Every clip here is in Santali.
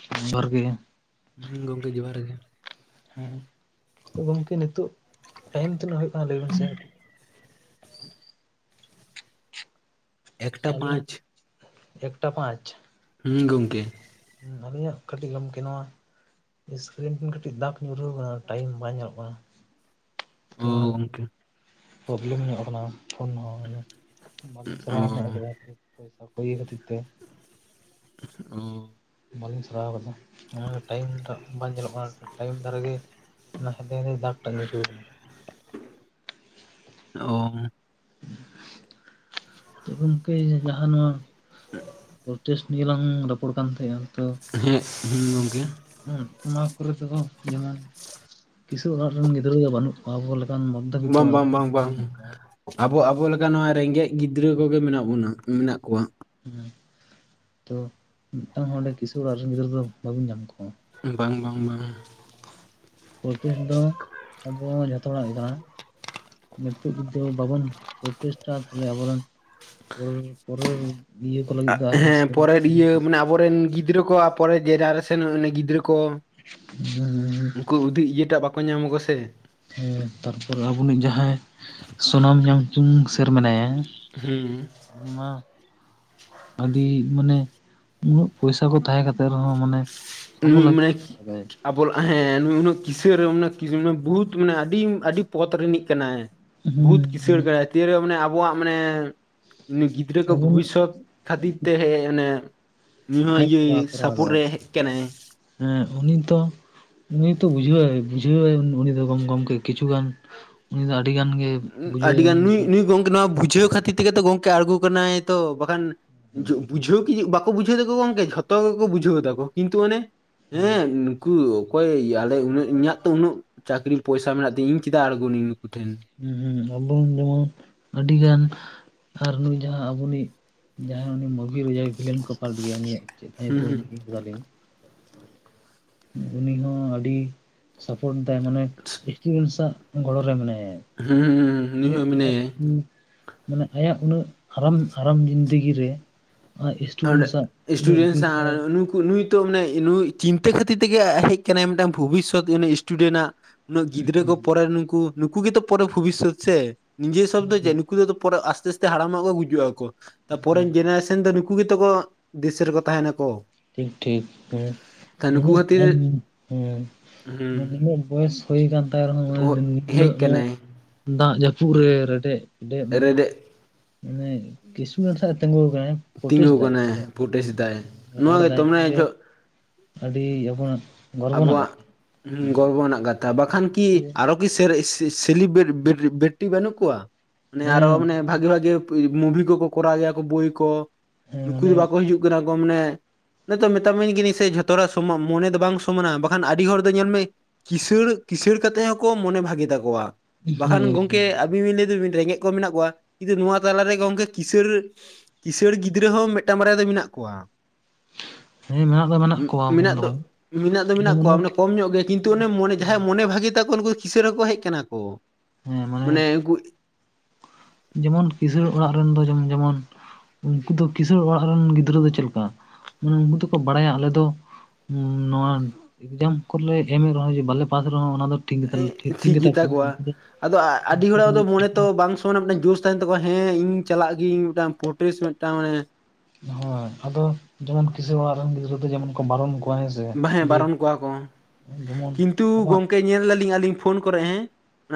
[unintelligible] ᱜᱮ ᱦᱩᱸ, ᱜᱚᱝᱠᱮ ᱡᱚᱸᱦᱟᱨ ᱜᱮ᱾ ᱦᱮᱸ, ᱜᱚᱢᱠᱮ ᱱᱤᱛᱳᱜ ᱴᱟᱭᱤᱢ ᱛᱤᱱᱟᱹᱜ ᱦᱳᱭᱳᱜ ᱠᱟᱱᱟ ᱞᱟᱹᱭ ᱵᱤᱱ ᱥᱮ? ᱮᱠᱴᱟ ᱟᱹᱞᱤᱧ ᱯᱟᱸᱪ ᱾ ᱮᱠᱴᱟ ᱯᱟᱸᱪ᱾ ᱦᱩᱸ ᱜᱚᱝᱠᱮ ᱟᱹᱞᱤᱧᱟᱜ ᱠᱟᱹᱴᱤᱜ ᱜᱚᱢᱠᱮ ᱱᱚᱣᱟ ᱥᱠᱨᱤᱱ ᱴᱷᱮᱱ ᱠᱟᱹᱴᱤᱡ ᱫᱟᱜᱽ ᱧᱩᱨᱦᱩᱣ ᱠᱟᱱᱟ ᱴᱟᱭᱤᱢ ᱵᱟᱝ ᱧᱮᱞᱚᱜ ᱠᱟᱱᱟ᱾ ᱛᱚ ᱚ ᱚᱱᱟ ᱜᱚᱝᱠᱮ ᱯᱨᱚᱵᱞᱮᱢ ᱧᱚᱜ ᱠᱟᱱᱟ᱾ ᱯᱷᱳᱱ ᱦᱚᱸ ᱵᱟᱹᱞᱤᱧ ᱚ ᱥᱟᱨᱟᱣ ᱧᱚᱜᱠᱟᱫᱟ ᱯᱚᱭᱥᱟ ᱠᱚ ᱤᱭᱟᱹ ᱠᱷᱟᱹᱛᱤᱨ ᱛᱮ᱾ ᱚᱸ ᱵᱟᱞᱤᱧ ᱥᱟᱨᱟᱣ ᱠᱟᱫᱟ᱾ ᱦᱩᱸ ᱴᱟᱭᱤᱢ ᱴᱟᱜ ᱵᱟᱝ ᱧᱮᱞᱚᱜ ᱠᱟᱱᱟ ᱴᱟᱭᱤᱢ ᱫᱟᱨᱟ ᱜᱮ ᱚᱱᱟ ᱦᱮᱸᱫᱮ ᱦᱮᱸᱫᱮ ᱫᱟᱜᱽ ᱴᱟᱜ ᱧᱩᱨᱦᱩᱣ ᱠᱟᱱᱟ᱾ ᱚᱸ ᱛᱚ ᱜᱚᱝᱠᱮ ᱡᱟᱦᱟᱸ ᱱᱚᱣᱟ ᱦᱮᱸ [unintelligible] ᱯᱨᱚᱴᱮᱥᱴ ᱱᱤᱭᱮ ᱞᱟᱝ ᱨᱚᱯᱚᱲ ᱠᱟᱱ ᱛᱟᱦᱮᱸᱜᱟ ᱛᱚ ᱦᱮᱸ ᱦᱩᱸ ᱜᱚᱝᱠᱮ ᱦᱩᱸ ᱚᱱᱟ ᱠᱚᱨᱮ ᱛᱮᱫᱚ ᱡᱮᱢᱚᱱ ᱠᱤᱥᱟᱹᱲ ᱚᱲᱟᱜ ᱨᱮᱱ ᱜᱤᱫᱽᱨᱟᱹ ᱫᱚ ᱵᱟᱹᱱᱩᱜ ᱟᱵᱚ ᱞᱮᱠᱟᱱ ᱢᱚᱫᱫᱷᱵᱤᱛᱛᱚ ᱵᱟᱝ ᱚᱲᱟᱜ ᱵᱟᱝ ᱨᱮᱱ ᱵᱟᱝ ᱠᱚᱜᱤᱧ ᱵᱟᱝ ᱧᱮᱞ ᱠᱚᱣᱟ᱾ ᱟᱵᱚ ᱟᱵᱚ ᱞᱮᱠᱟ ᱱᱚᱣᱟ ᱨᱮᱸᱜᱮᱡ ᱜᱤᱫᱽᱨᱟᱹ ᱠᱚᱜᱮ ᱢᱮᱱᱟᱜ ᱵᱚᱱᱟ ᱢᱮᱱᱟᱜ ᱠᱚᱣᱟ᱾ ᱦᱩᱸ ᱛᱚ ᱢᱤᱫᱴᱟᱝ ᱦᱚᱸ ᱚᱸᱰᱮ ᱠᱤᱥᱟᱹᱲ ᱚᱲᱟᱜ ᱨᱮᱱ ᱜᱤᱫᱽᱨᱟᱹ ᱫᱚ ᱵᱟᱵᱮᱱ ᱧᱟᱢ ᱠᱚᱣᱟ᱾ ᱵᱟᱝ ᱵᱟᱝ ᱵᱟᱝᱟ᱾ ᱯᱨᱚᱴᱤᱥ ᱫᱚ ᱟᱵᱚ ᱡᱷᱚᱛᱚ ᱦᱚᱲᱟᱜ ᱜᱮ ᱠᱟᱱᱟ᱾ ᱱᱤᱛᱳᱜ ᱡᱩᱫᱤ ᱵᱟᱵᱚᱱ ᱯᱨᱚᱪᱮᱥᱴᱟ ᱛᱟᱦᱚᱞᱮ ᱟᱵᱚᱨᱮᱱ ᱯᱚᱨᱮ ᱯᱚᱨᱮᱨ ᱤᱭᱟᱹ ᱠᱚ ᱞᱟᱹᱜᱤᱫ ᱫᱚ ᱟᱨᱦᱚᱸ ᱵᱚᱨᱮᱱ ᱜᱤᱫᱽᱨᱟᱹ ᱠᱚᱣᱟᱜ ᱯᱚᱨᱮ ᱡᱮᱱᱟᱨᱮᱥᱮᱱ ᱩᱱᱤ ᱜᱤᱫᱽᱨᱟᱹ ᱠᱚ ᱦᱩᱸ ᱦᱩᱸ ᱩᱱᱠᱩ ᱩᱫᱷᱤᱜ ᱤᱭᱟᱹᱴᱟᱜ ᱵᱟᱠᱚ ᱧᱟᱢᱟ ᱠᱚ ᱥᱮ᱾ ᱦᱮᱸ ᱛᱟᱨᱯᱚᱨ ᱟᱵᱚᱱᱤᱡ ᱡᱟᱦᱟᱸᱭ ᱥᱚᱱᱟᱢ ᱭᱟᱝᱪᱩᱝ ᱥᱮᱨ ᱢᱮᱱᱟᱭᱟ ᱦᱩᱸ ᱤᱧ ᱢᱟ ᱟᱹᱰᱤ ᱢᱟᱱᱮ ᱩᱱᱟᱹᱜ ᱯᱚᱭᱥᱟ ᱠᱚ ᱛᱟᱦᱮᱸ ᱠᱟᱛᱮ ᱨᱮᱦᱚᱸ ᱢᱟᱱᱮ ᱩ ᱟᱵᱚ ᱢᱟᱱᱮ ᱞᱟᱹᱜᱤᱫ ᱟᱵᱚ ᱦᱮᱸ ᱱᱩᱭ ᱩᱱᱟᱹᱜ ᱠᱤᱥᱟᱹᱨ ᱩᱱᱟᱹᱜ ᱩᱱᱟᱹᱜ ᱠᱤ ᱵᱩᱦᱩᱛ ᱢᱟᱱᱮ ᱟᱵᱤ ᱟᱹ ᱟᱹᱰᱤ ᱯᱚᱛ ᱨᱤᱱᱤᱡ ᱠᱟᱱᱟᱭ, ᱦᱮᱸ ᱵᱩᱦᱩᱛ ᱠᱤᱥᱟᱹᱲ ᱢᱟᱱᱮ ᱠᱟᱱᱟᱭ ᱛᱤᱭᱟᱮᱲ ᱢᱟᱱᱮ ᱟᱵᱚᱣᱟᱜ ᱢᱟᱱᱮ ᱩᱱᱤ ᱜᱤ ᱫᱽᱨᱟᱹ ᱠᱚ ᱟᱵᱚᱱᱤᱡ ᱵᱷᱩᱵᱤᱥᱥᱚᱛ ᱠᱷᱟᱹᱛᱤᱨ ᱛᱮ ᱦᱮᱡ ᱚᱱᱮ ᱱᱩᱭ ᱦᱚᱸ ᱡᱟᱦᱟᱸᱭ ᱤᱭᱟᱹ ᱠᱚᱨᱟᱣ ᱥᱟᱯᱳᱴ ᱠᱚᱨᱟᱣᱮᱫᱟᱭ ᱨᱮ ᱠᱮᱱᱮᱭ, ᱦᱮᱸ ᱩᱱᱤ ᱫᱚ ᱩᱱᱤ ᱛᱚ ᱵᱩᱡᱷᱟᱹᱣᱟ ᱵᱩᱡᱷᱟᱹᱣᱟᱭ ᱩᱱᱤ ᱫᱚ ᱜᱚᱢ ᱜᱚᱢᱠᱮ ᱠᱤᱪᱷᱩ ᱜᱟᱱ, ᱩᱱᱤ ᱫᱚ ᱟᱰᱤ ᱜᱟᱱ ᱜᱮ ᱟᱹᱰᱤ ᱵᱩᱡᱷᱟᱹᱣ ᱜᱟᱱ ᱱᱩᱭ ᱱᱩᱭ ᱜᱚᱝᱠᱮ ᱱᱚᱣᱟ ᱵᱩᱡᱷᱟᱹᱣ ᱠᱷᱟᱹᱛᱤᱨ ᱜᱮ ᱛᱚ ᱜᱚᱝᱠᱮ ᱟᱬᱜᱩ ᱠᱟᱱᱟᱭ ᱛᱚ ᱵᱟᱠᱷᱟᱱ ᱵᱩᱡᱷᱟᱹᱣ ᱠᱤ ᱵᱟᱠ ᱠᱚ ᱵᱩᱡᱷᱟᱹᱣ ᱫᱟᱠᱚ ᱜᱚᱝᱠᱮ ᱡᱷᱚᱛᱚ ᱜᱮᱠᱚ ᱵᱩᱡᱟᱹᱣ ᱫᱟ ᱠᱚ ᱠᱤᱱᱛᱩ ᱚᱱᱮ, ᱦᱮᱸ ᱩᱱᱠᱩ ᱚᱠᱚᱭ ᱤᱭᱟᱹ ᱟᱞᱮ ᱩᱱᱟᱹᱜ ᱤᱧᱟᱹᱜ ᱛᱚ ᱩᱱᱟᱹᱜ ᱪᱟᱹᱠᱨᱤ ᱯᱚᱭᱥᱟ ᱢᱮᱱᱟᱜ ᱛᱤᱧᱟ ᱤᱧ ᱪᱮᱫᱟᱜ ᱟᱬᱜᱳᱱᱤᱧ ᱱᱩᱠᱩ ᱴᱷᱮᱱ᱾ ᱦᱩᱸ ᱦᱩᱸ ᱟᱵᱚᱱ ᱡᱮᱢᱚᱱ ᱟᱹᱰᱤ ᱜᱟᱱ ᱟᱨ ᱱᱩᱭ ᱡᱟᱦᱟᱸ ᱟᱵᱚᱱᱤᱡ ᱡᱟᱦᱟᱸᱭ ᱩᱱᱤ ᱢᱩ ᱵᱷᱤ ᱠᱚ ᱡᱟᱦᱟ ᱵᱷᱤᱞᱮᱱ ᱠᱚ ᱯᱟᱨᱴ ᱜᱮᱭᱟ ᱩᱱᱤᱭᱟᱜ ᱪᱮᱫ ᱛᱟᱭ ᱦᱩᱸ ᱧᱩᱛᱩᱢ ᱦᱤᱲᱤᱧ ᱠᱮᱫᱟᱞᱤᱧ ᱩᱱᱤ ᱦᱚᱸ ᱟᱹᱰᱤ ᱥᱟᱯᱳᱴ ᱫᱟᱭ ᱢᱟᱱᱮ ᱥᱴᱤᱮᱱ ᱥᱟᱜ ᱜᱚᱲᱚ ᱨᱮ ᱢᱮᱱᱟᱭᱟ᱾ ᱦᱩᱸ ᱦᱩᱸ ᱦᱩᱸ ᱱᱩᱭ ᱜᱚᱡ ᱦᱚᱸ ᱪᱟᱞᱟᱜ ᱢᱮᱱᱟᱭᱟ ᱠᱩ ᱢᱟᱱᱮ ᱟᱭᱟᱜ ᱩᱱᱟᱹᱜ ᱟᱨᱟᱢ ᱟᱨᱟᱢ ᱡᱤᱱᱫᱮᱜᱤ ᱨᱮ ᱟᱡ ᱥᱴᱩᱰᱮᱱᱴ ᱚᱸᱰᱮᱜ ᱥᱟᱶ ᱩᱱᱟᱹᱜ ᱤᱥᱴᱩᱰᱮᱱᱴᱥ ᱵᱷᱤᱲ ᱦᱚᱸ ᱥᱟᱶ ᱱᱩᱠᱩ ᱱᱩᱭᱼᱼ ᱢᱟᱱᱮ ᱱᱩᱭ ᱪᱤᱱᱛᱟᱹ ᱠᱷᱟᱹᱛᱤᱨ ᱛᱮᱜᱮ ᱟ ᱦᱮᱡ ᱟᱠᱟᱱᱟᱭ ᱢᱤᱫᱴᱟᱝ ᱵᱷᱚᱵᱤᱥᱚᱛ ᱤᱥᱴᱩᱰᱮ ᱱᱟᱜ ᱾ ᱩᱱᱟᱹᱜ ᱜᱤᱫᱽᱨᱟᱹ ᱠᱚ ᱯᱚᱨᱮ ᱱᱩᱠᱩ, ᱱᱩᱠᱩ ᱜᱮᱛᱚ ᱯᱚᱨᱮ ᱵᱷᱚᱵᱤᱥᱚᱛ ᱥᱮ ᱾ ᱱᱤᱡᱮᱨ ᱥᱚᱵ ᱫᱚ ᱪᱮ, ᱱᱩᱠᱩ ᱫᱚ ᱟᱫᱚ ᱯᱚᱨᱮ ᱟᱥᱛᱮ ᱟᱥᱛᱮ ᱦᱟᱲᱟᱢᱚᱜ-ᱟ ᱠᱚ ᱜᱩᱡᱩᱜᱼᱟᱠᱚ ᱾ ᱛᱟᱯᱚᱨᱮ ᱨᱤᱱ ᱡᱮᱱᱮᱨᱮᱥᱮᱱ ᱫᱚ ᱱᱩᱠᱼᱼ ᱠᱩ ᱜᱮᱛᱚ ᱠᱚ ᱫᱤᱥᱟᱹ ᱨᱮᱠᱚ ᱛᱟᱦᱮ ᱱᱟᱠᱚ ᱾ ᱴᱷᱤᱠ ᱴᱷᱤᱠ, ᱠᱷᱟᱹᱛᱤᱨ ᱦᱮᱸ [unintelligible] ᱦᱩᱸ ᱱᱤᱱᱟᱹᱜ ᱵᱚᱭᱮᱥ ᱦᱩᱭ ᱟᱠᱟᱱ ᱛᱟᱭ ᱨᱮᱦᱚᱸ ᱚ- ᱱᱟᱹᱜ ᱦᱮᱡ ᱤᱱᱟᱹᱜ ᱱᱚᱼᱼ ᱠᱟᱱᱟᱭ ᱫᱟᱜ ᱡᱟᱹᱯᱩᱫ ᱨᱮ ᱨᱮᱰᱮᱜ ᱯᱮᱰᱮᱜ ᱢᱟᱱᱮᱼᱼ ᱨᱮᱰᱮᱫ ᱢᱟᱱᱮ ᱠᱤᱥᱩ ᱨᱮᱱ ᱥᱟᱜ-ᱮ ᱛᱤᱜᱩ ᱠᱟᱱᱟᱭ ᱦᱮᱸ ᱾ ᱛᱤᱸᱜᱩᱣ ᱟᱠᱟᱱᱟᱭ, ᱯᱚᱨᱴᱮᱥ ᱮᱫᱟᱭ, ᱱᱚᱣᱟ ᱨᱚᱲ ᱜᱮ ᱛᱚ ᱫᱟᱭ ᱢᱟᱱᱮ ᱡᱚᱦᱚᱜᱼᱼ ᱟᱹᱰᱤ ᱟᱵᱚᱱᱟᱜᱼᱼ ᱟᱵᱚᱣᱟᱜ ᱦᱩᱸ ᱜᱚᱨᱵᱚ ᱨᱮᱱᱟᱜ ᱜᱟᱛᱼᱼ ᱛᱟ ᱵᱟᱠᱷᱟᱱ ᱠᱤ ᱟᱨᱚ ᱠᱤ ᱥᱮᱨ ᱥᱤᱜ ᱥᱤᱞᱤ ᱵᱮᱨᱴ ᱵᱮᱨᱴ ᱵᱮᱴᱤ ᱵᱟᱹᱱᱩᱜ ᱠᱚᱣᱟ? ᱢᱟᱱᱮ ᱟᱨᱚ ᱦᱮᱸ ᱢᱟᱱᱮ ᱵᱷᱟᱜᱤ ᱵᱷᱟᱜᱤ ᱢᱩᱵᱷᱤ ᱠᱚᱠᱚ ᱠᱚᱨᱟᱣ ᱜᱮᱭᱟ ᱠᱚ ᱵᱳᱭ ᱠᱚ, ᱦᱮᱸ ᱱᱩᱠᱩ ᱢᱟᱱᱮ ᱫᱚ ᱵᱟᱠᱚ ᱦᱤᱡᱩᱜᱼᱼ ᱢᱮᱱᱟᱜ ᱠᱚᱣᱟ ᱢᱟᱱᱮ ᱱᱤᱛᱚᱜ ᱢᱮᱛᱟᱜ ᱢᱮ ᱤᱧ ᱜᱮᱱᱤ ᱥᱮ ᱡᱷᱚᱛᱚ ᱦᱚᱲᱟᱜ ᱥᱚᱢᱟ ᱢᱚᱱᱮ ᱫᱚ ᱵᱟᱝᱼᱼ ᱢᱟᱱᱮ, ᱵᱟᱠᱷᱟᱱ ᱟᱹᱰᱤ ᱦᱚᱲ ᱫᱚ ᱧᱮᱞ ᱢᱮ ᱠᱤᱥᱟᱹᱬ, ᱠᱤᱥᱟᱹᱬ ᱠᱟᱛᱮᱜ ᱦᱚᱸᱠᱚ ᱢᱚᱱᱮ ᱵᱷᱟᱜᱤ ᱛᱟᱠᱚᱣᱟ᱾ ᱵᱟᱠᱷᱟᱱ ᱜᱚᱝᱠᱮ ᱟᱹᱵᱤᱱ ᱵᱤᱱ ᱞᱟᱹᱭᱫᱟ ᱨᱮᱸᱜᱮᱡ ᱠᱚ ᱢᱮᱱᱟᱜ ᱠᱚᱣᱟ, ᱠᱤᱱᱛᱩ ᱱᱚᱣᱟ ᱛᱟᱞᱟᱨᱮ ᱜᱚᱝᱠᱮ ᱠᱤᱥᱟᱹᱬ ᱨᱮᱼᱼ ᱠᱤᱥᱟᱹᱬ ᱜᱤᱫᱽᱨᱟᱹ ᱦᱚᱸ ᱢᱤᱫᱴᱟᱝ ᱵᱟᱨᱭᱟ ᱫᱚ ᱢᱮᱱᱟᱜ ᱠᱚᱣᱟ ᱾ ᱦᱮᱸ ᱢᱮᱱᱟᱜ ᱫᱚ ᱢᱮᱱᱟᱜ ᱠᱚᱣᱟ, ᱢᱚᱱ ᱫᱚ ᱵᱟᱝ ᱾ ᱢᱮᱱᱟᱜ ᱫᱚ ᱢᱮᱱᱟᱜ ᱠᱚᱣᱟ ᱢᱟᱱᱮ ᱠᱚᱢ ᱧᱚᱜ ᱜᱮ, ᱠᱤᱱᱛᱩ ᱚᱱᱮ ᱢᱚᱱᱮ ᱡᱟᱦᱟᱸᱭᱟᱜ ᱢᱚᱱᱮ ᱵᱷᱟᱜᱤ ᱛᱟᱠᱚ ᱩᱱᱠᱩ ᱠᱤᱥᱟᱹᱬ ᱨᱮᱦᱚᱸᱠᱚ ᱦᱮᱡ ᱠᱟᱱᱟ ᱠᱚ ᱾ ᱢᱟᱱᱮ ᱩᱱᱠᱼᱼ ᱡᱮᱢᱚᱱ ᱠᱤᱥᱟᱹᱬ ᱚᱲᱟᱜ ᱨᱮᱱ ᱫᱚ ᱢᱮᱢ ᱡᱮᱢᱚᱱᱼᱼ ᱩᱱᱠᱩ ᱫᱚ ᱠᱤᱥᱟᱹᱬ ᱚᱲᱟᱜ ᱨᱮᱱ ᱜᱤᱫᱽᱨᱟᱹ ᱫᱚ ᱪᱮᱫ ᱞᱮᱠᱟ? ᱩᱱᱠᱩ ᱫᱚᱠᱚ ᱵᱟᱲᱟᱭᱟ ᱟᱞᱮ ᱫᱚᱼᱼ ᱱᱚᱣᱟ ᱮᱠᱡᱟᱢ ᱠᱚᱨᱮᱞᱮ ᱮᱢ ᱨᱮᱦᱚᱸ ᱵᱟᱞᱮ ᱯᱟᱥ ᱨᱮᱦᱚᱸ ᱚᱱᱟ ᱫᱚᱼᱼ ᱮᱜ ᱴᱷᱤᱠ ᱜᱮᱛᱟ ᱠᱚᱣᱟ, ᱟᱫᱚ ᱟᱹᱰᱤ ᱦᱚᱲᱟᱜ ᱫᱚ ᱢᱚᱱᱮ ᱛᱚ ᱵᱟᱝ ᱥᱚᱼᱼ ᱚᱱᱟ ᱢᱤᱫᱴᱟᱝ ᱡᱩᱥ ᱛᱟᱦᱮᱱ ᱛᱟᱠᱚᱣᱟ, ᱦᱮᱸ ᱤᱧ ᱪᱟᱞᱟᱜ ᱜᱮ ᱤᱧ ᱢᱤᱫᱴᱟᱝ ᱯᱳᱨᱴᱮᱥ ᱢᱤᱫᱴᱟᱝ ᱾ ᱦᱳᱭ, ᱟᱫᱚ ᱡᱮᱢᱚᱱ ᱠᱤᱥᱟᱹᱬ ᱚᱲᱟᱜ ᱨᱮᱱ ᱜᱤᱫᱽᱨᱟᱹ ᱫᱚ ᱡᱮᱢᱚᱱ ᱠᱚ ᱵᱟᱨᱚᱢ ᱠᱚ ᱾ ᱵᱟ ᱦᱮᱸ, ᱵᱟᱨᱚᱱ ᱠᱚᱣᱟ ᱠᱚ ᱡᱮᱢᱚᱱ ᱠᱤᱱᱛᱩ ᱟᱢᱟᱜ ᱜᱚᱝᱠᱮᱼᱼ ᱧᱮᱞ ᱫᱟᱞᱤᱧ ᱟᱹᱞᱤᱧ ᱯᱷᱳᱱ ᱠᱚᱨᱮ ᱦᱮᱸ,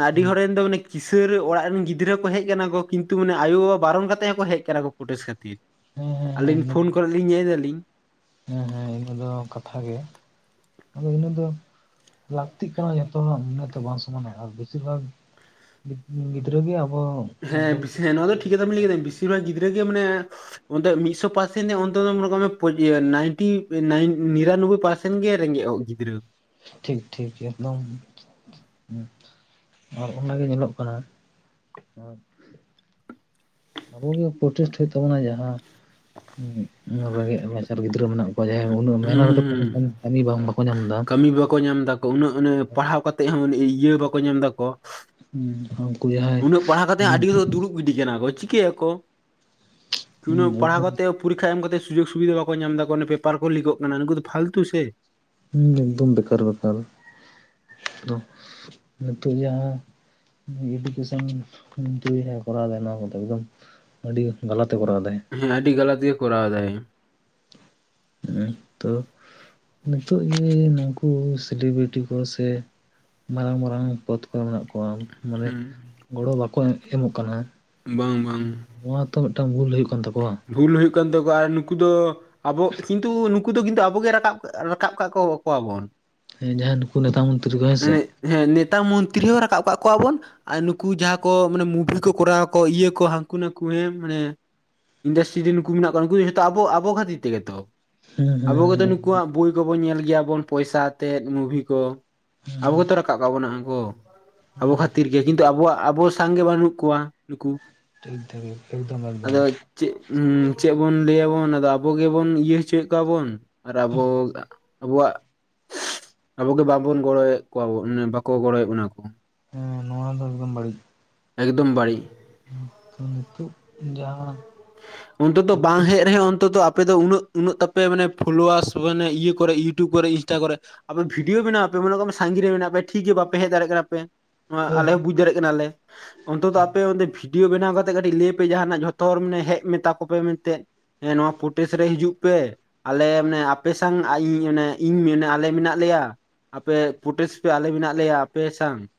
ᱟᱹᱰᱤ ᱦᱚᱲ ᱦᱮᱸ ᱨᱮᱱ ᱫᱚ ᱚᱱᱮᱼᱼ ᱠᱤᱥᱟᱹᱬ ᱚᱲᱟᱜ ᱨᱮᱱ ᱜᱤᱫᱽᱨᱟᱹ ᱠᱚ ᱦᱮᱡ ᱟᱠᱟᱱᱟ ᱠᱚ, ᱠᱤᱱᱛᱩ ᱚᱱᱮ ᱟᱭᱳ ᱵᱟᱵᱟ ᱵᱟᱨᱚᱱ ᱠᱟᱛᱮ ᱦᱚᱸ ᱦᱮᱡ ᱟᱠᱟᱱᱟ ᱠᱚ ᱠᱩᱴᱮᱥ ᱠᱷᱟᱹᱛᱤᱨ ᱦᱮᱸ ᱾ ᱦᱮᱸ ᱟᱹᱞᱤᱧ ᱤᱱᱟᱹ ᱯᱷᱳᱱ ᱠᱚᱨᱮ ᱞᱤᱧ ᱧᱮᱞ ᱫᱟᱞᱤᱧᱼᱼ ᱦᱮᱸ ᱦᱮᱸ ᱤᱱᱟᱹ ᱫᱚ ᱠᱟᱛᱷᱟ ᱜᱮ ᱾ ᱟᱫᱚ ᱤᱱᱟᱹ ᱫᱚ, ᱞᱟᱹᱠᱛᱤᱜ ᱠᱟᱱᱟ ᱡᱚᱛᱚ ᱢᱚᱱᱮ ᱛᱚ ᱵᱟᱝ ᱥᱚᱢᱟᱱᱟ ᱟᱨ ᱵᱮᱥᱤᱨ ᱵᱷᱟᱜᱼᱼ ᱜᱤᱫᱽᱨᱟᱹ ᱜᱮ ᱟᱵᱚᱼᱼ ᱦᱮᱸ ᱵᱮᱥᱤ ᱦᱮᱸ ᱱᱚᱣᱟ ᱫᱚ ᱴᱷᱤᱠ ᱠᱟᱛᱷᱟ ᱵᱮᱱ ᱞᱟᱹᱭ ᱠᱮᱫᱟ, ᱵᱮᱥᱤᱨ ᱵᱷᱟᱜᱽ ᱜᱤᱫᱽᱨᱟᱹ ᱜᱮ ᱢᱟᱱᱮᱼᱼ ᱚᱱᱛᱮ ᱢᱤᱜᱥᱚ ᱯᱟᱨᱥᱮᱱ ᱱᱮ ᱚᱱᱛᱮ ᱫᱚ ᱢᱚᱱᱮ ᱠᱟᱜ ᱢᱮ ᱯᱚᱪ ᱤᱭᱟᱹ ᱱᱟᱭᱤᱱᱴᱤ ᱱᱟᱭᱤᱱ ᱱᱤᱨᱟᱱᱚᱵᱚᱭ ᱯᱟᱨᱥᱮᱱᱼᱼ ᱤᱧ ᱜᱮ ᱨᱮᱸᱜᱮᱡ ᱚᱜ ᱜᱤᱫᱽᱨᱟᱹ᱾ ᱴᱷᱤᱠ ᱴᱷᱤᱠ ᱮᱠᱫᱚᱢ ᱾ ᱦᱩᱸ ᱟᱨ ᱚᱱᱟ ᱜᱮ ᱧᱮᱞᱚᱜ ᱠᱟᱱᱟ, ᱟᱨᱼᱼ ᱟᱵᱚ ᱜᱮ ᱯᱨᱪᱮᱥᱴ ᱦᱩᱭᱩᱜ ᱛᱟᱵᱚᱱᱟ ᱡᱟᱦᱟᱸ, ᱨᱮᱸᱜᱮᱡ ᱱᱟᱪᱟᱨ ᱜᱤᱫᱽᱨᱟᱹ ᱢᱮᱱᱟᱜ ᱵᱚᱱᱟ ᱾ ᱡᱟᱦᱟᱭ ᱩᱱᱟᱹᱜ ᱦᱩᱸ ᱦᱩᱸ ᱢᱮᱦᱚᱛ ᱠᱟᱛᱮᱜ ᱠᱟᱹᱢᱤ ᱵᱟᱝ ᱵᱟᱠᱚ ᱧᱟᱢ ᱮᱫᱟ ᱾ ᱵᱤ ᱵᱟᱠᱚ ᱧᱟᱢ ᱫᱟ ᱾ ᱩᱱᱟᱹᱜ ᱯᱟᱲᱦᱟᱣ ᱠᱟᱛᱮᱫ ᱦᱚᱸ ᱤᱭᱟᱹ ᱵᱟᱠᱚ ᱧᱟᱢ ᱫᱟᱠᱚ ᱾ ᱦᱩᱸ ᱦᱟᱱᱠᱩ ᱡᱟᱦᱟᱸᱭ ᱦᱩᱸᱼᱼ ᱢᱤ ᱠᱟᱱᱟ ᱠᱚ ᱪᱤᱠᱟᱹᱭᱟᱠᱚ ᱱᱩᱱᱚᱜ ᱯᱟᱲᱦᱟᱣ ᱮᱠᱫᱚᱢ ᱠᱟᱛᱮ ᱾ ᱯᱚᱨᱤᱠᱷᱟ ᱮᱢ ᱠᱟᱛᱮᱜ ᱥᱩᱡᱳᱜᱽ ᱥᱩᱵᱤᱫᱷᱟ ᱵᱟᱠᱚ ᱧᱟᱢᱮᱫᱟᱠᱚ ᱚᱱᱟ ᱯᱮᱯᱟᱨ ᱠᱚ ᱞᱤᱠᱚᱜ ᱠᱟᱱᱟ ᱱᱩᱠᱩ ᱫᱚ ᱯᱷᱟᱞᱛᱩ ᱥᱮ᱾ ᱦᱩᱸ ᱮᱠᱫᱚᱢ ᱵᱮᱠᱟᱨ ᱵᱮᱠᱟᱨ ᱱᱤᱛᱚᱜ ᱡᱟᱦᱟᱸ ᱮᱰᱩᱠᱮᱥᱚᱱ ᱢᱚᱱᱛᱤᱨᱤ ᱡᱟᱦᱟ ᱠᱚᱨᱟᱣ ᱫᱟᱭ ᱱᱚᱣᱟ ᱠᱚᱫᱚ ᱮᱠᱫᱚᱢ ᱟᱹᱰᱤ ᱜᱟᱞᱟᱛ ᱮ ᱠᱚᱨᱟᱣ ᱫᱟᱭ ᱾ ᱦᱮᱸ ᱟᱹᱰᱤ ᱜᱟᱞᱟᱛ ᱜᱮᱭ ᱠᱚᱨᱟᱣ ᱫᱟᱭ ᱾ [unintelligible] ᱱᱤᱛᱚᱜ ᱡᱮ ᱱᱩᱠᱩ ᱥᱤᱞᱤᱵᱤᱨᱤᱴᱤ ᱠᱚ ᱥᱮ ᱢᱟᱨᱟᱝ ᱢᱟᱨᱟᱝ ᱯᱚᱫᱽ ᱠᱚ ᱢᱮᱱᱟᱜ ᱠᱚᱣᱟ ᱢᱟᱱᱮ ᱦᱩᱸ ᱜᱚᱲᱚ ᱵᱟᱠᱚ ᱮᱢᱚᱜ ᱠᱟᱱᱟ ᱾ ᱵᱟᱝ ᱵᱟᱝ ᱾ ᱱᱚᱣᱟ ᱛᱚ ᱢᱤᱫᱴᱟᱝ ᱵᱷᱩᱞ ᱦᱩᱭᱩᱜ ᱠᱟᱱ ᱛᱟᱠᱚᱣᱟ ᱾ ᱵᱷᱩᱞ ᱦᱩᱭᱩᱜ ᱠᱟᱱ ᱛᱟᱠᱚᱣᱟ ᱟᱨ ᱱᱩᱠᱩ ᱫᱚ ᱟᱵᱚ ᱠᱤᱱᱛᱩ ᱱᱩᱠᱩ ᱫᱚ ᱠᱤᱱᱛᱩ ᱟᱵᱚᱜᱮ ᱨᱟᱠᱟᱵ ᱨᱟᱠᱟᱵ ᱠᱟᱜ ᱠᱚᱣᱟ ᱵᱚᱱ ᱾ ᱦᱮᱸ ᱡᱟᱦᱟᱸᱭ ᱱᱩᱠᱩ ᱱᱮᱛᱟ ᱢᱚᱱᱛᱨᱤ ᱠᱚ ᱦᱮᱸ ᱥᱮ ᱦᱮᱸ ᱱᱮᱛᱟ ᱢᱚᱱᱛᱨᱤ ᱦᱚᱸ ᱨᱟᱠᱟᱵ ᱠᱟᱜ ᱠᱚᱣᱟ ᱵᱚᱱ, ᱟᱨ ᱱᱩᱠᱩ ᱡᱟᱦᱟᱸ ᱠᱚ ᱢᱟᱱᱮ ᱢᱩᱵᱷᱤ ᱠᱚ ᱠᱚᱨᱟᱣᱟ ᱠᱚ ᱤᱭᱟᱹ ᱠᱚ ᱦᱟᱹᱱᱠᱩ ᱱᱟᱠᱩ ᱦᱮ ᱢᱟᱱᱮ ᱤᱱᱰᱟᱥᱴᱤᱨᱤ ᱱᱩᱠᱩ ᱢᱮᱱᱟᱜ ᱠᱚᱣᱟ ᱱᱩᱠᱩ ᱫᱚ ᱡᱚᱛᱚ ᱟᱵᱚ ᱟᱵᱚ ᱠᱷᱟᱹᱛᱤᱨ ᱛᱮᱜᱮ ᱛᱚ ᱦᱩᱸ ᱟᱵᱚ ᱜᱮᱛᱚ ᱦᱩᱸ ᱦᱩᱸ ᱱᱩᱠᱩᱣᱟᱜ ᱵᱳᱭ ᱠᱚᱵᱚᱱ ᱧᱮᱞ ᱜᱮᱭᱟᱵᱚᱱ ᱯᱚᱭᱥᱟ ᱟᱛᱮᱜ ᱢᱩᱵᱷᱤ ᱠᱚ ᱟᱵᱚ ᱜᱮᱛᱚ ᱨᱟᱠᱟᱵ ᱵᱚᱱᱟᱠᱩ ᱟᱵᱚ ᱠᱷᱟᱹᱛᱤᱨ ᱜᱮ ᱠᱤᱱᱛᱩ ᱟᱵᱚᱣᱟᱜ ᱟᱵᱚ ᱥᱟᱝᱜᱮ ᱵᱟᱹᱱᱩᱜ ᱠᱚᱣᱟ ᱱᱩᱠᱩ᱾ ᱴᱷᱤᱠ ᱫᱷᱮᱨ ᱮᱠᱫᱚᱢ ᱮᱠᱫᱚᱢ ᱾ ᱟᱫᱚ ᱪᱮᱫ ᱪᱮᱫ ᱵᱚᱱ ᱞᱟᱹᱭ ᱟᱵᱚᱱ ᱟᱵᱚ ᱜᱮᱵᱚᱱ ᱤᱭᱟᱹ ᱦᱚᱪᱚᱭᱮᱫ ᱠᱚᱣᱟ ᱵᱚᱱ ᱟᱨ ᱟᱵᱚ ᱟᱵᱚᱣᱟᱜ ᱟᱵᱚᱜᱮ ᱵᱟᱵᱚᱱ ᱜᱚᱲᱚᱭᱮᱫ ᱠᱚᱣᱟᱚᱱ ᱵᱟᱠᱚ ᱜᱚᱲᱚᱭᱮᱫ ᱵᱚᱱᱟ ᱠᱚ, ᱦᱮᱸ ᱱᱚᱣᱟ ᱫᱚ ᱮᱠᱫᱚᱢ ᱵᱟᱹᱲᱤᱡ ᱮᱠᱫᱚᱢ ᱵᱟᱹᱲᱤᱡ ᱾ ᱛᱚ ᱱᱤᱛᱚᱜᱜ ᱡᱟᱦᱟᱸ ᱚᱱᱛᱚ ᱛᱚ ᱵᱟᱝ ᱯᱚᱨᱤᱵᱮᱥ ᱦᱮᱡ ᱨᱮᱦᱚᱸ ᱚᱱᱛᱚ ᱟᱯᱮ ᱫᱚ ᱩᱱᱟᱹᱜ ᱩᱱᱟᱹᱜ ᱛᱟᱯᱮ ᱢᱟᱱᱮ ᱯᱷᱚᱞᱳᱣᱟᱨᱟᱥ ᱢᱟᱱᱮ ᱤᱭᱟᱹ ᱠᱚᱨᱮ ᱤᱭᱩᱴᱩᱵᱽ ᱠᱚᱨᱮ ᱤᱱᱥᱴᱟ ᱠᱚᱨᱮ ᱟᱯᱮ ᱵᱷᱤᱰᱭᱳ ᱵᱮᱱᱟᱣᱯᱮᱟᱜ ᱯᱮ ᱢᱚᱱᱮ ᱠᱟᱜ ᱥᱟᱜᱤᱧ ᱢᱮᱱᱟᱜ ᱯᱮ ᱴᱷᱤᱠ ᱜᱮ ᱵᱟᱯᱮ ᱦᱮᱡᱟᱲᱮᱭᱟᱜ ᱠᱟᱱᱟ ᱯᱮ, ᱱᱚᱣᱟ ᱫᱚ ᱟᱞᱮ ᱦᱚᱸ ᱵᱩᱡ ᱫᱟᱲᱮᱭᱟᱜ ᱠᱟᱱᱟ ᱞᱮ᱾ ᱚᱱᱛᱚᱛᱚ ᱟᱯᱮ ᱵᱷᱤᱰᱭᱳ ᱵᱮᱱᱟᱣ ᱠᱟᱛᱮᱜ ᱠᱟᱹᱴᱤᱡ ᱞᱟᱹᱭᱯᱮ ᱡᱟᱦᱟᱱᱟᱜ ᱡᱷᱚᱛᱚ ᱦᱚᱲ ᱢᱟᱱᱮ ᱦᱮᱡ ᱢᱮᱛᱟ ᱠᱚ ᱯᱮ ᱢᱮᱱᱛᱮ, ᱦᱮᱸ ᱱᱚᱣᱟ ᱯᱚᱴᱮᱥ ᱨᱮ ᱦᱤᱡᱩᱜ ᱯᱮ ᱾ ᱟᱞᱮ ᱟᱱᱮ ᱟᱯᱮ ᱥᱟᱶᱝ ᱮ ᱤᱧ ᱟᱞᱮ ᱢᱮᱱᱟᱜ ᱞᱮᱭᱟ ᱾ ᱟᱯᱮ ᱯᱚᱴᱮᱥ ᱯᱮ ᱟᱞᱮ ᱢᱮᱱᱟᱜ ᱞᱮᱭᱟ ᱟᱯᱮ ᱥᱟᱝ ᱾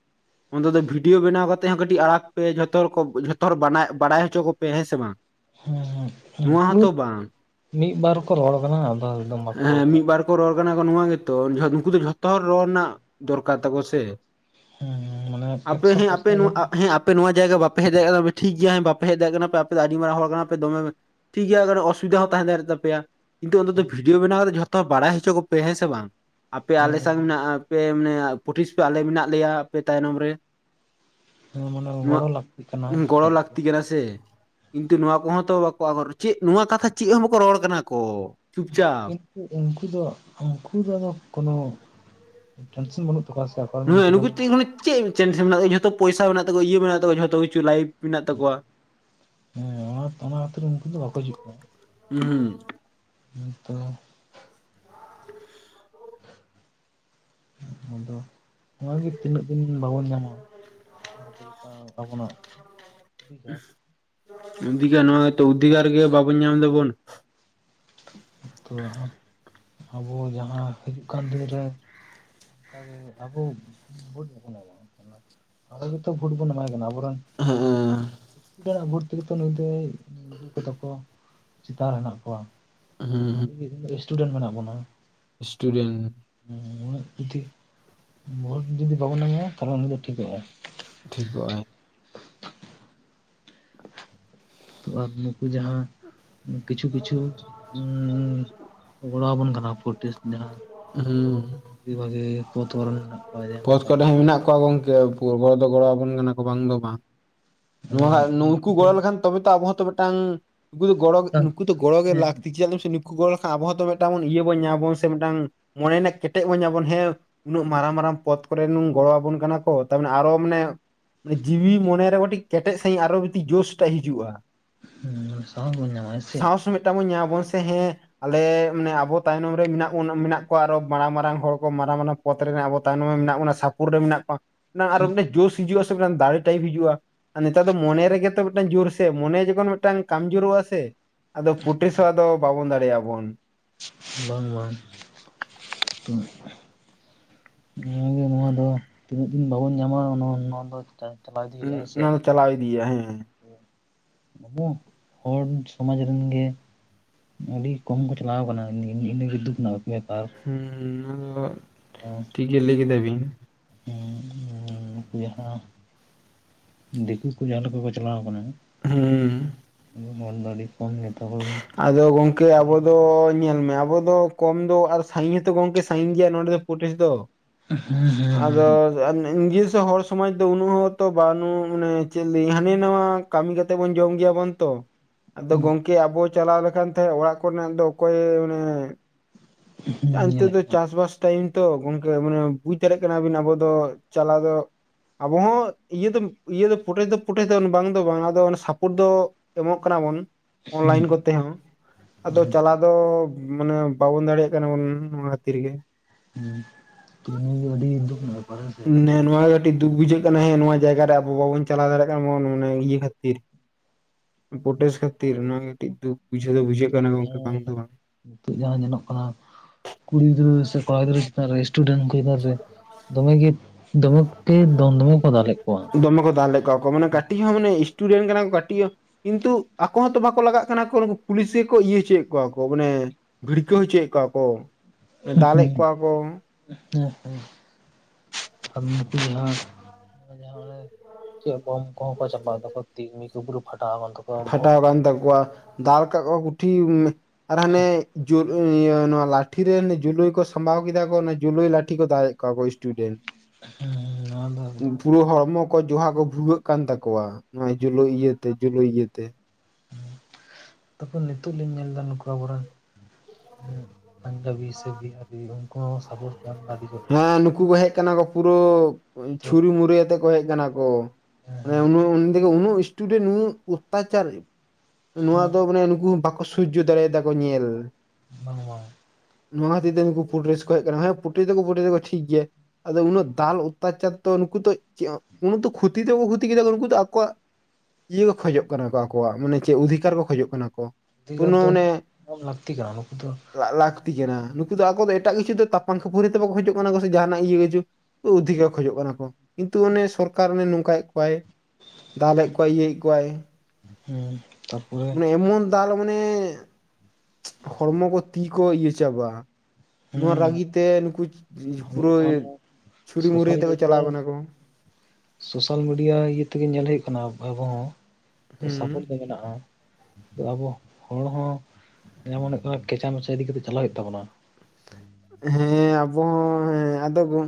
ᱚᱱᱛᱚ ᱵᱷᱤᱰᱭᱳ ᱵᱮᱱᱟᱣ ᱠᱟᱛᱮ ᱦᱚᱸ ᱠᱟᱹᱴᱤᱡ ᱟᱲᱟᱜ ᱯᱮ ᱡᱚᱛᱚ ᱦᱚᱲ ᱡᱚᱛᱚ ᱦᱚᱲ ᱵᱟᱲᱟᱭ ᱦᱚᱪᱚ ᱠᱚᱯᱮ ᱦᱮᱸ ᱥᱮ ᱵᱟᱝ ᱾ ᱦᱮᱸ ᱦᱮᱸ ᱢᱤᱫ ᱵᱟᱨ ᱠᱚ ᱨᱚᱲ ᱠᱟᱱᱟ ᱟᱫᱚ ᱮᱠᱫᱚᱢ ᱵᱟᱠᱚ ᱨᱚᱲ ᱦᱮᱸ ᱠᱟᱱᱟ ᱢᱤᱫ ᱾ ᱵᱟᱨ ᱨᱚᱲ ᱠᱟᱱᱟ ᱠᱚ ᱱᱚᱣᱟ ᱜᱮᱛᱚ ᱱᱩᱠᱩ ᱫᱚ ᱡᱷᱚᱛᱚ ᱦᱚᱲ ᱨᱚᱲ ᱨᱮᱱᱟᱜ ᱫᱚᱨᱠᱟᱨ ᱛᱟᱠᱚ ᱥᱮ, ᱦᱮᱸ ᱢᱟᱱᱮ ᱟᱯᱮ ᱮᱠᱥᱚ ᱦᱮᱸ ᱟᱯᱮ ᱱᱚᱣᱟ ᱯᱟᱨᱥᱮᱱ ᱦᱮᱸ ᱟᱯᱮ ᱱᱚᱣᱟ ᱡᱟᱭᱜᱟ ᱵᱟᱯᱮ ᱦᱮᱡ ᱫᱟᱲ ᱠᱟᱱᱟᱮ ᱴᱷᱤᱠ ᱜᱮᱭᱟ ᱦᱮ ᱵᱟᱯᱮ ᱦᱮᱡ ᱫᱟᱲᱭᱟᱜ ᱠᱟᱱᱟᱮ ᱟᱯᱮ ᱟᱹᱰᱤ ᱢᱟᱨᱟᱝ ᱦᱚᱲ ᱠᱟᱱᱟ ᱯᱮ ᱫᱚᱢᱮ ᱴᱷᱤᱠ ᱜᱮᱭᱟ ᱚᱥᱩᱵᱤᱫᱷᱟ ᱦᱚᱸ ᱛᱟᱦᱮᱸ ᱫᱟᱲᱮᱭᱟ ᱛᱟᱯᱮᱭᱟ ᱾ ᱠᱤᱱᱛᱩ ᱚᱱᱰᱮ ᱫᱚ ᱵᱷᱤᱰᱭᱳ ᱵᱮᱱᱟᱣ ᱠᱟᱛᱮ ᱡᱷᱚᱛᱚ ᱵᱟᱲᱟᱭ ᱦᱚᱪᱚ ᱠᱚᱯᱮ ᱦᱮᱸ ᱥᱮ ᱵᱟᱝ, ᱟᱯᱮ ᱟᱞᱮ ᱥᱟᱶ ᱦᱮᱸ ᱢᱮᱱᱟᱜᱼᱟ ᱟᱯᱮ ᱢᱟᱱᱮ ᱯᱩᱴᱤᱥ ᱯᱮ ᱟᱞᱮ ᱢᱮᱱᱟᱜ ᱞᱮᱭᱟ ᱟᱯᱮ ᱛᱟᱭᱱᱚᱢ ᱨᱮ ᱢᱟᱱᱮ ᱾ ᱱᱚᱣᱟ ᱜᱚᱲᱚ ᱞᱟᱹᱠᱛᱤᱜ ᱠᱟᱱᱟ ᱜᱚᱲᱚ ᱞᱟᱹᱠᱛᱤ ᱠᱟᱱᱟ ᱥᱮ ᱾ ᱛᱩ ᱱᱚᱣᱟ ᱠᱚᱦᱚᱸ ᱛᱚ ᱵᱟᱠᱚᱜ ᱪᱮᱫ ᱱᱚᱣᱟ ᱠᱟᱛᱷᱟ ᱪᱮᱫ ᱦᱚᱸ ᱵᱟᱠᱚ ᱨᱚᱲ ᱠᱟᱱᱟ ᱠᱚ ᱪᱩᱯᱪᱟᱯ, ᱠᱤᱱᱛᱩ ᱩᱱᱠᱩ ᱫᱚ ᱩᱱᱠᱩ ᱫᱚ ᱟᱫᱚ ᱠᱳᱱᱳ ᱴᱮᱱᱥᱮᱱ ᱵᱟᱹᱱᱩᱜ ᱛᱟᱠᱚᱣᱟ ᱥᱮ, ᱟᱠᱚᱨᱮᱱ ᱱᱩᱭ ᱜᱤᱫᱽᱨᱟᱹ ᱱᱩᱠᱩ ᱢᱟ ᱛᱤᱜᱩᱱᱤᱛ ᱪᱮᱜ ᱴᱮ ᱥᱮᱱ ᱢᱮᱱᱟᱜ ᱛᱟᱠᱚᱣᱟ ᱡᱷᱚᱛᱚ ᱯᱚᱭᱥᱟ ᱢᱮᱱᱟᱜ ᱛᱟᱣᱟ ᱤᱭᱟᱹ ᱢᱮᱱᱟᱜ ᱛᱟᱠᱚᱣᱟ ᱡᱷᱚᱛᱚ ᱠᱤᱠᱷᱩ ᱞᱟᱭᱤᱯᱷ ᱢᱮᱱᱟᱜ ᱛᱟᱠᱚᱣᱟ ᱦᱮᱸ ᱚᱱᱟ ᱚᱱᱟ ᱠᱷᱟᱹᱛᱤᱨ ᱩᱱᱠᱩ ᱫᱚ ᱵᱟᱠᱚ ᱦᱤᱡᱩᱜ ᱠᱟᱱᱟ ᱦᱩᱸ ᱦᱮᱸᱛᱳ [unintelligible] ᱟᱫᱚ ᱱᱚᱣᱟᱜᱮ ᱛᱤᱱᱟᱹᱜ ᱫᱤᱱ ᱵᱟᱵᱚᱱ ᱧᱟᱢᱟ᱾ ᱵᱷᱟᱜ ᱞᱮᱠᱟ ᱟᱵᱚᱱᱟᱜ ᱚᱫᱷᱤᱠᱟᱨ ᱚᱫᱷᱤᱠᱟᱨ ᱱᱚᱣᱟᱛᱚ ᱚᱫᱷᱤᱠᱟᱨ ᱜᱮ ᱵᱟᱵᱚᱱ ᱧᱟᱢ ᱫᱟᱵᱚᱱ ᱛᱳ ᱟᱵᱚ ᱡᱟᱦᱟᱸ ᱦᱤᱡᱩᱜ ᱠᱟᱱ ᱫᱤᱱ ᱨᱮ ᱚᱱᱠᱟ ᱜᱮ ᱟᱵᱚ ᱵᱷᱳᱴ ᱵᱟᱵᱚᱱ ᱮᱢᱟ ᱟᱵᱚ ᱜᱮᱛᱚ ᱵᱷᱳᱴ ᱵᱚᱱ ᱮᱢᱟᱭ ᱠᱟᱱᱟ ᱟᱵ ᱦᱮᱸ [inaudible] ᱛᱮᱨᱟᱜ ᱵᱷᱳᱴ ᱛᱤᱜᱤ ᱛᱚ ᱱᱩᱭ ᱫᱚᱭ ᱠᱚᱫᱚ ᱠᱚ ᱪᱮᱛᱟᱱ ᱨᱮ ᱦᱮᱱᱟᱜ ᱠᱚᱣᱟ ᱦᱩᱸ ᱵᱷᱟᱞᱤᱜᱮ ᱥᱴᱩᱰᱮᱱᱴ ᱢᱮᱱᱟᱜ ᱵᱚᱱᱟ ᱥᱴᱩᱰᱮᱱᱴ ᱦᱩᱸ ᱩᱱᱟᱹᱜ ᱡᱩᱫᱤ ᱵᱷᱳᱴ ᱡᱩᱫᱤ ᱵᱟᱵᱚᱱ ᱮᱢᱟᱭᱟ ᱛᱟᱦᱚᱞᱮ ᱩᱱᱤ ᱫᱚ ᱴᱷᱤᱠᱚᱜ-ᱟᱭ ᱴᱷᱤᱠᱚᱜ-ᱟᱭ [inaudible] ᱛᱳ ᱟᱨ ᱱᱩᱠᱩ ᱡᱟᱦᱟᱸ ᱠᱤᱪᱷᱩ ᱠᱤᱪᱷᱩ ᱜᱚᱲᱟ ᱟᱵᱚᱱ ᱠᱟᱱᱟ ᱯᱚᱨᱴᱮᱥᱴ ᱡᱟᱦᱟᱸ ᱦᱩᱸ ᱟᱹᱰᱤ ᱵᱷᱟᱹᱜᱤ ᱯᱚᱛ ᱠᱚᱨᱚᱱ ᱢᱮᱱᱟᱜ ᱠᱚᱣᱟ ᱡᱮ ᱯᱚᱛ ᱠᱚᱨᱮ ᱦᱚᱸ ᱢᱮᱱᱟᱜ ᱠᱚᱣᱟ ᱜᱚᱝᱠᱮ ᱯᱩᱨᱵᱚ ᱨᱮᱫᱚ ᱜᱚᱲᱚ ᱟᱵᱚᱱ ᱠᱟᱱᱟ ᱠᱚ ᱵᱟᱝ ᱫᱚ ᱵᱟᱝ ᱚᱱᱟ ᱱᱚᱣᱟ ᱦᱟᱜ ᱱᱩᱠᱩ ᱩᱱᱠᱩ ᱫᱚ ᱜᱚᱲᱚ ᱞᱮᱠᱷᱟᱱ ᱛᱚᱵᱮ ᱛᱚ ᱟᱵᱚ ᱦᱚᱸᱛᱚ ᱢᱤᱫ ᱴᱟᱝ ᱱᱩᱠᱩ ᱫᱚ ᱜᱚᱲᱚ ᱱᱩᱠᱩ ᱫᱚ ᱜᱚᱲᱚ ᱜᱮ ᱦᱮᱸ ᱞᱟᱹᱠᱛᱤ ᱪᱮᱫᱟᱜ ᱞᱟᱹᱭ ᱢᱮᱥᱮ ᱜᱚᱲᱚ ᱞᱮᱠᱷᱟᱱ ᱟᱵᱚ ᱦᱚᱸᱛᱚ ᱢᱤᱫ ᱴᱟᱝ ᱤᱭᱟᱹ ᱵᱚᱱ ᱧᱟᱢᱵᱚᱱ ᱥᱮ ᱢᱤᱫ ᱴᱟᱝ ᱢᱚᱱᱮ ᱨᱮᱱᱟᱜ ᱠᱮᱴᱮᱡ ᱵᱚᱱ ᱧᱟᱢᱵᱚᱱ ᱦᱮᱸ ᱩᱱᱟᱹᱜ ᱢᱟᱨᱟᱝ ᱢᱟᱨᱟᱝ ᱯᱚᱛ ᱠᱚᱨᱮᱱ ᱜᱚᱲᱚ ᱟᱵᱚᱱ ᱠᱟᱱᱟ ᱠᱚ ᱛᱟᱨᱢᱟᱱᱮ ᱟᱨᱚ ᱢᱟᱱᱮ ᱢᱟᱱᱮ ᱡᱤᱣᱤ ᱢᱚᱱᱮᱨᱮ ᱢᱤᱫᱴᱤᱡ ᱠᱮᱴᱮᱡ ᱥᱟᱺᱦᱤᱡ ᱟᱨᱚ ᱢᱤᱫᱴᱤᱡ ᱡᱳᱥ ᱴᱟᱜ ᱦᱤᱡᱩᱜ-ᱟ ᱦᱩᱸ ᱢᱟᱱᱮ ᱥᱟᱶ ᱵᱚᱱ ᱧᱟᱢᱟ ᱦᱮᱸᱥᱮ ᱢᱮᱫᱴᱟᱝ ᱵᱚᱱ ᱧᱟᱢᱟᱵᱚᱱ ᱥᱮ ᱦᱮᱸ ᱟᱞᱮ ᱢᱟᱱᱮ ᱟᱵᱚ ᱛᱟᱭᱱᱚᱢ ᱨᱮ ᱢᱮᱱᱟᱜ ᱵᱚᱱᱟ ᱢᱮᱱᱟᱜ ᱠᱚᱣᱟ ᱟᱨᱚ ᱢᱟᱨᱟᱝ ᱢᱟᱨᱟᱝ ᱦᱚᱲ ᱠᱚ ᱢᱟᱨᱟᱝ ᱢᱟᱨᱟᱝ ᱯᱚᱛ ᱨᱮᱱᱟᱜ ᱟᱵᱚ ᱛᱟᱭᱱᱚᱢ ᱨᱮ ᱢᱮᱱᱟᱜ ᱵᱚᱱᱟ ᱥᱟᱯᱚᱨᱴ ᱨᱮ ᱢᱮᱱᱟᱜ ᱠᱚᱣᱟ ᱚᱱᱟ ᱟᱨᱚ ᱢᱤᱫᱴᱮᱱ ᱡᱳᱥ ᱦᱤᱡᱩᱜ-ᱟ ᱥᱮ ᱢᱤᱫᱴᱟᱝ ᱫᱟᱲᱮ ᱴᱟᱭᱤᱯ ᱦᱤᱡᱩᱜ-ᱟ ᱟᱨ ᱱᱮᱛᱟᱨ ᱫᱚ ᱢᱚᱱᱮ ᱨᱮᱜᱮ ᱛᱚ ᱢᱤᱫᱴᱟᱝ ᱡᱳᱨ ᱥᱮ ᱢᱚᱱᱮ ᱡᱚᱠᱷᱚᱱ ᱢᱤᱫᱴᱟᱝ ᱠᱟᱢ ᱡᱳᱨᱚᱜ-ᱟ ᱥᱮ ᱟᱫᱚ ᱯᱚᱴᱮᱥ ᱦᱚᱸ ᱟᱫᱚ ᱵᱟᱵᱚᱱ ᱫᱟᱲᱮᱭᱟᱜ-ᱟ ᱵᱚᱱ ᱵᱟᱝ ᱢᱟ ᱜᱚᱝᱠᱮ ᱱᱚᱣᱟ ᱫᱚ ᱛᱤᱱᱟᱹᱜ ᱫᱤᱱ ᱵᱟᱵᱚᱱ ᱧᱟᱢᱟ ᱱᱚᱣᱟ ᱱᱚᱣᱟ ᱫᱚ ᱪᱟᱞᱟᱣ ᱤᱫᱤ ᱮᱜ ᱦᱩᱭᱩᱜᱼᱟ ᱦᱮᱸ ᱥᱮ ᱱᱚᱣᱟ ᱪᱟᱞᱟᱣ ᱤᱫᱤᱭᱟ ᱦᱮᱸ ᱦᱮᱸ ᱟᱫᱚ ᱦᱚᱲ ᱥᱚᱢᱟᱡᱽ ᱨᱮᱱ ᱜᱮ ᱟᱹᱰᱤ ᱠᱚᱢ ᱠᱚ ᱪᱟᱞᱟᱣ ᱟᱠᱟᱱᱟ ᱤᱱᱟᱹ ᱤᱱᱟᱹᱜᱮ ᱫᱩᱠ ᱨᱮᱱᱟᱜ ᱵᱮᱯᱟᱨ᱾ ᱦᱩᱸ ᱦᱩᱸ ᱚᱱᱟ ᱫᱳ [inaudible] ᱴᱷᱤᱠ ᱜᱮ ᱞᱟᱹᱭ ᱠᱮᱫᱟ ᱵᱤᱱ ᱦᱩᱸ ᱩᱱᱠᱩ ᱡᱟᱦᱟ ᱫᱤᱠᱩ ᱠᱚ ᱡᱟᱦᱟᱸ ᱞᱮᱠᱟ ᱠᱚ ᱪᱟᱞᱟᱣ ᱟᱠᱟᱱᱟ ᱦᱩᱸ ᱢᱚᱱ ᱫᱚ ᱟᱹᱰᱤ ᱠᱚᱢ ᱜᱮᱛᱟ ᱵᱚᱱ ᱟᱫᱚ ᱜᱚᱝᱠᱮ ᱟᱵᱚ ᱫᱚ ᱧᱮᱞᱢᱮ ᱟᱵᱚ ᱫᱚ ᱠᱚᱢ ᱫᱚ ᱟᱨ ᱥᱟᱹᱜᱤᱧ ᱦᱚᱸᱛᱚ ᱜᱚᱝᱠᱮ ᱥᱟᱹᱜᱤᱧ ᱜᱮᱭᱟ ᱱᱚᱰᱮ ᱫᱚ ᱯᱚᱴᱮᱥ ᱫᱚ᱾ ᱟᱫᱚ ᱤᱧ ᱜᱤ ᱥᱮ ᱦᱚᱲ ᱥᱚᱢᱟᱡᱽ ᱫᱚ ᱩᱱᱩᱶᱚᱹᱜᱚᱛᱚ ᱵᱟᱹᱱᱩᱜ ᱢᱟᱱᱮ ᱪᱮᱫ ᱞᱟ. ᱭᱤᱧ? ᱦᱟᱱᱤ ᱱᱟᱣᱟ ᱠᱟᱹᱢᱤ ᱠᱟᱛᱮ ᱵᱚᱱ ᱡᱚᱢ ᱜᱮᱭᱟᱵᱚᱱ ᱛᱚ᱾ ᱟᱫᱚ ᱜᱚᱝᱠᱮ ᱟᱵᱚ ᱪᱟᱞᱟᱣ ᱞᱮᱠᱷᱟᱱ ᱛᱟᱦᱮᱸᱫ ᱚᱲᱟᱜ ᱠᱷᱚᱱᱟᱜ ᱫᱚ ᱚᱠᱚᱭ ᱚᱱᱮ [inaudible] ᱟᱱᱛᱮ ᱫᱚ ᱪᱟᱥ-ᱵᱟᱥ ᱴᱟᱭᱤᱢ ᱛᱚ ᱜᱚᱝᱠᱮ, ᱢᱟᱱᱮ ᱵᱩᱡ ᱫᱟᱲᱮᱜ ᱠᱟᱱᱟᱵᱤᱱ ᱟᱵᱚ ᱫᱚ ᱪᱟᱞᱟᱣ ᱫᱚ ᱟᱵᱚ ᱦᱚᱸ ᱤᱭᱟᱹ ᱫᱚ ᱤᱭᱟᱹ ᱫᱚ ᱯᱩᱴᱮᱥ ᱫᱚ ᱯᱩᱴᱮᱥ ᱫᱚ ᱵᱟᱝ ᱫᱚ ᱵᱟᱝ ᱟᱫᱚ ᱥᱟᱯᱳᱴ ᱫᱚ ᱮᱢᱚᱜ ᱠᱟᱱᱟ ᱵᱚᱱ ᱚᱱᱞᱟᱭᱤᱱ ᱠᱚᱛᱮ ᱦᱚᱸ ᱟᱫᱚ ᱪᱟᱞᱟᱣ ᱫᱚ ᱢᱟᱱᱮ ᱵᱟᱵᱚᱱ ᱫᱟᱲᱮᱭᱟᱜ ᱠᱟᱱᱟ᱾ ᱠᱟᱱᱟᱵᱚᱱ ᱱᱚᱣᱟ ᱛᱷᱤᱨ ᱜᱮ ᱦᱮᱸ ᱛᱮᱦᱮᱧ ᱜᱮ ᱟᱹᱰᱤ ᱫᱩᱠ ᱨᱮᱱᱟᱜ ᱮᱯᱟᱨ ᱦᱮᱸ ᱥᱮ᱾ ᱛᱮ ᱱᱚᱣᱟ ᱜᱮ ᱟ. ᱰᱤ ᱫᱩᱠ ᱵᱩᱡᱷᱟᱹᱜ ᱠᱟᱱᱟ ᱦᱮᱸ, ᱱᱚᱣᱟ ᱡᱟᱭᱜᱟ ᱨᱮ ᱟᱵᱚ ᱵᱟᱵᱚᱱ ᱪᱟᱞᱟ ᱫᱟᱲᱮᱜ ᱠᱟᱱᱟ ᱵᱚᱱ ᱢᱮ ᱤᱭᱟᱹ ᱠᱷᱟᱹᱛᱤᱨ ᱯᱚᱴᱮᱥ ᱠᱷᱟᱹᱛᱤᱨ ᱱᱚᱶᱟ ᱢᱤᱫᱴᱟᱝ ᱫᱩᱠ ᱵᱩᱡᱷᱟᱹᱣ ᱫᱚ ᱵᱩᱡᱷᱟᱹᱜ ᱠᱟᱱᱟ ᱜᱚᱝᱠᱮ ᱵᱟᱝ ᱫᱚ ᱵᱟᱝ᱾ ᱛᱚᱜ ᱡᱟᱦᱟᱸ ᱧᱮᱞᱚᱜ ᱠᱟᱱᱟ ᱠᱩᱲᱤ ᱜᱤᱫᱽᱨᱟᱹ ᱥᱮ ᱠᱚᱲᱟ ᱜᱤᱫᱽᱨᱟᱹ ᱨᱮᱥᱴᱩᱰᱮᱱᱴ ᱠᱚᱭᱵᱟᱨ ᱨᱮ ᱫᱚᱢᱮ ᱜᱮ ᱫᱚᱢᱚᱠ ᱫᱚᱢᱮ ᱠᱚ ᱫᱟᱞ ᱞᱮᱫᱟ ᱠᱚᱣᱟ ᱠᱚ᱾ ᱢᱟᱱᱮ ᱠᱟᱹᱴᱤᱡ ᱦᱚᱸ ᱢᱟᱱᱮ ᱥᱴᱩᱰᱮᱱᱴ ᱠᱟᱱᱟ ᱠᱚ ᱠᱟᱹᱴᱤᱡ ᱦᱚᱸ ᱠᱤᱱᱛᱩ ᱟᱠᱚ ᱦᱚᱸᱛᱚ ᱵᱟᱠᱚ ᱞᱟᱜᱟᱜ ᱠᱟᱱᱟ ᱠᱚ᱾ ᱩᱱᱠᱩ ᱯᱩᱞᱤᱥ ᱜᱮᱠᱚ ᱤᱭᱟᱹ ᱦᱚᱪᱚᱭᱮᱜ ᱠᱚᱣᱟ ᱠᱚ ᱢᱟᱱᱮ ᱵᱷᱤᱲᱠᱟᱹ ᱦᱚᱪᱚᱭᱮᱜ ᱠᱚᱣᱟ ᱠᱚ᱾ ᱦᱩᱸ, ᱫᱟᱞᱮᱫ ᱦᱩᱸ᱾ ᱠᱚᱣᱟ ᱠᱚ ᱦᱩᱸ ᱦᱩᱸ ᱥᱟᱜᱢᱚᱛᱤ ᱡᱟᱦᱟᱸᱨ ᱦᱚᱸ, ᱪᱮᱫ ᱵᱚᱢ ᱠᱚᱦᱚᱸ ᱠᱚ ᱪᱟᱯᱟᱜ ᱫᱟᱠᱚ ᱛᱤᱢᱤ ᱠᱚ? ᱯᱩᱨᱩ ᱯᱷᱟᱴᱟᱣ ᱟᱠᱟᱱ ᱛᱟᱠᱚ ᱯᱷᱟᱴᱟᱣ ᱟᱠᱟᱱ ᱛᱟᱠᱚᱣᱟ᱾ ᱫᱟᱞ ᱠᱟᱜ ᱠᱚᱣᱟ ᱠᱩᱴᱷᱤ ᱩ ᱟᱨ ᱦᱟᱱᱮ ᱡᱩᱨ ᱤᱭᱟᱹ ᱱᱚᱣᱟ ᱞᱟᱴᱷᱤ ᱨᱮᱱ ᱡᱩᱞᱩᱭ ᱠᱚ ᱥᱟᱢᱵᱟᱣ ᱠᱮᱫᱟ ᱠᱚ᱾ ᱚᱱᱟ ᱡᱩᱞᱩᱭ ᱞᱟᱴᱷᱤ ᱠᱚ ᱫᱟᱜ ᱮᱫ ᱠᱚᱣᱟ ᱠᱚ ᱥᱴᱩᱰᱮᱱᱴ᱾ ᱦᱩᱸ ᱱᱚᱣᱟ ᱫᱚ ᱮᱠᱫᱚᱢ ᱯᱩᱨᱟᱹ ᱜᱟᱞᱟᱛ ᱦᱚᱲᱢᱚ ᱡᱚᱦᱟ ᱠᱚ ᱵᱷᱩᱜᱟᱹᱜ ᱠᱟᱱ ᱛᱟᱠᱚᱣᱟ ᱱᱚᱜᱼᱚᱭ ᱡᱩᱞᱩᱭ ᱤᱭᱟᱹᱛᱮ ᱡᱩᱞᱩᱭ ᱤᱭᱟᱹ ᱛᱮ ᱛᱟᱯᱚᱨ ᱱᱤᱛᱚᱜ ᱞᱤᱧ ᱧᱮᱞ ᱮᱫᱟ᱾ ᱱᱩᱠᱩ ᱟᱵᱚᱨᱮᱱ ᱯᱟᱧᱡᱟᱵᱤ ᱥᱮ ᱵᱤᱦᱟᱨᱤ ᱩᱱ ᱦᱚᱸ ᱥᱟᱯᱳᱴ ᱠᱚ ᱮᱢ ᱮᱫᱟ ᱟᱹᱰᱤ ᱡᱳᱨ ᱜᱮ ᱦᱮᱸ ᱱᱩᱠᱩ ᱦᱮᱡ ᱠᱟᱱᱟ ᱠᱚ᱾ ᱯᱩᱨᱟᱹ ᱛᱚ ᱪᱷᱩᱨᱤ ᱢᱩᱨᱟᱹᱭ ᱟᱛᱮ ᱠᱚ ᱦᱮᱡ ᱠᱟᱱᱟ ᱠᱚ᱾ ᱦᱮᱸ ᱢᱟᱱᱮ ᱦᱮᱸ ᱩᱱᱟᱹᱜ ᱩᱱ ᱫᱤᱱ ᱩᱱᱟᱹᱜ ᱥᱴᱩᱰᱮᱱᱴ ᱩᱱᱟᱹᱜ ᱚᱛᱛᱟᱪᱟᱨ ᱱᱚᱣᱟ ᱦᱮᱸ ᱫᱚ ᱢᱟᱱᱮ ᱱᱩᱠᱩ ᱦᱚᱸ ᱵᱟᱠᱚ ᱥᱚᱡᱡᱚ ᱫᱟᱲᱮᱭᱟᱫᱟ ᱠᱚ ᱧᱮᱞ ᱵᱟᱝ ᱵᱟᱝ ᱱᱚᱣᱟ ᱠᱷᱟᱹᱤᱨ ᱛᱮ ᱱᱩᱠᱩ ᱯᱷᱩᱰᱨᱮᱥ ᱠᱚ ᱦᱮᱡ ᱠᱟᱱᱟ᱾ ᱦᱮᱸ ᱯᱩᱴᱨᱤ ᱫᱚᱠᱚ ᱯᱩᱴᱨᱤᱫᱟᱠᱚ ᱴᱷᱤᱠ ᱜᱮᱭᱟ᱾ ᱟᱫᱚ ᱩᱱᱟᱹᱜ ᱫᱟᱞ ᱚᱛᱛᱟᱪᱟᱨ ᱫᱚ ᱱᱠᱩ ᱫᱚ ᱪᱮᱜ ᱟᱜ ᱩᱱ ᱫᱚ ᱠᱷᱚᱛᱤ ᱫᱚ ᱠᱷᱚᱛᱤ ᱠᱮᱫᱟ ᱠᱚ᱾ ᱩᱱᱠᱩ ᱫᱚ ᱟᱠᱚᱣᱟᱜ ᱤᱭᱟᱹ ᱠᱷᱚᱡᱚᱜ ᱠᱟᱱᱟ ᱠᱚ ᱟᱠᱚᱣᱟᱜ ᱢᱟᱱᱮ ᱪᱚ ᱚᱫᱷᱤᱠᱟᱨ ᱠᱚ ᱠᱷᱚᱡᱚᱜ ᱠᱟᱱᱟ ᱠᱚ᱾ ᱚᱫᱷᱤᱠᱟᱨ ᱠᱳᱱᱳ ᱫᱚ ᱢᱟᱱᱮ ᱮᱢ ᱞᱟᱹᱠᱛᱤ ᱠᱟᱱᱟ ᱱᱩᱠᱩ ᱫᱚ ᱞᱟᱜ ᱞᱟᱹᱠᱛᱤ ᱠᱟᱱᱟ᱾ ᱱᱩᱠᱩ ᱫᱚ ᱟᱠᱚ ᱫᱚ ᱮᱴᱟᱜ ᱠᱤᱪᱷᱩ ᱫᱚ ᱛᱟᱯᱟᱱ ᱠᱷᱟᱹᱯᱟᱹᱨᱤ ᱛᱮ ᱵᱟᱠᱚ ᱠᱷᱚᱡᱚᱜ ᱠᱟᱱᱟ ᱠᱚ ᱥᱮ ᱡᱟᱦᱟᱱᱟᱜ ᱤᱭᱟᱹ ᱠᱤᱪᱩ ᱚᱫᱷᱤᱠᱟᱨ ᱠᱷᱚᱡᱚᱜ ᱠᱟᱱᱟ ᱠᱚ᱾ ᱠᱤᱱᱛᱩ ᱚᱱᱮ ᱥᱚᱨᱠᱟᱨ ᱚᱱᱮ ᱱᱚᱝᱠᱟᱭᱮᱫ ᱠᱚᱣᱟᱭ ᱫᱟᱞᱮᱜ ᱠᱚᱣᱟᱭ, ᱤᱭᱟᱹᱭᱮᱜ ᱠᱚᱣᱟᱭ, ᱦᱮᱸ᱾ ᱛᱟᱯᱚᱨᱮ ᱢᱟᱱᱮ ᱮᱢᱚᱱ ᱫᱟᱞ ᱢᱟᱱᱮ ᱦᱚᱲᱢᱚ ᱠᱚ ᱛᱤ ᱠᱚ ᱤᱭᱟᱹ ᱪᱟᱵᱟ᱾ ᱱᱚᱣᱟ ᱦᱮᱸ ᱨᱟᱹᱜᱤ ᱛᱮ ᱱᱩᱠᱩ ᱯᱩᱨᱟᱹ ᱟᱹᱞᱤᱧ ᱦᱚᱸ ᱪᱷᱩᱨᱤ ᱢᱩᱨᱤ ᱥᱳᱥᱟᱞ ᱟᱛᱮ ᱠᱚ ᱢᱤᱰᱤᱭᱟ ᱪᱟᱞᱟᱣ ᱠᱟᱱᱟ ᱠᱚ᱾ ᱥᱳᱥᱟᱞ ᱢᱤᱰᱤᱭᱟ ᱤᱭᱟᱹ ᱛᱮᱜᱮ ᱧᱮᱞ ᱦᱩᱭᱩᱜ ᱠᱟᱱᱟ ᱟᱵᱚ ᱦᱚᱸ ᱛᱚ ᱥᱟᱯᱚᱴ ᱦᱩᱸ ᱫᱚ ᱢᱮᱱᱟᱜᱼᱟ᱾ ᱛᱚ ᱟᱵᱚ ᱦᱚᱲ ᱦᱚᱸ ᱡᱮᱢᱚᱱ ᱦᱩᱭᱩᱜ ᱠᱟᱱᱟ, ᱠᱮᱪᱟ ᱢᱮᱪᱟ ᱤᱫᱤ ᱠᱟᱛᱮᱫ ᱪᱟᱞᱟᱣ ᱦᱩᱭᱩᱜ ᱛᱟᱵᱚᱱᱟ᱾ ᱦᱮᱸ ᱟᱵᱚ ᱦᱚᱸ ᱦᱮᱸ ᱟᱫᱚᱵᱚᱱ